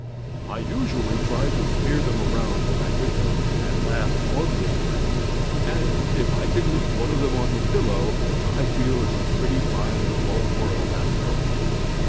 I usually try to smear them around when I get them at last on the spread, and if I can leave one of them on the pillow, I feel that it's a pretty fine little old world, after all.